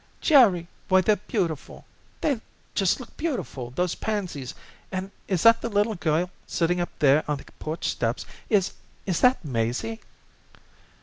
"Jerry, why, they're beautiful! They just look beautiful, those pansies, and is that the little girl sitting up there on the porch steps? Is is that Maisie?"